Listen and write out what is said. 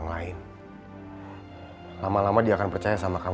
silahkan duduk pak